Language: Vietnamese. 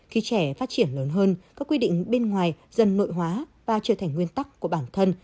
khi trẻ phát triển lớn hơn các quy định bên ngoài dần nội hóa và trở thành nguyên tắc của bản thân